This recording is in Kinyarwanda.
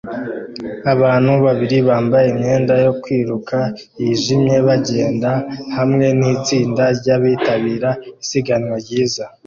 Abantu babiri bambaye imyenda yo kwiruka yijimye bagenda hamwe nitsinda ryabitabiriye Isiganwa Ryiza